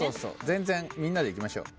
全然みんなでいきましょう。